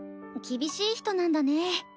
厳しい人なんだね。